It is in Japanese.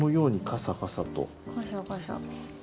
カサカサ。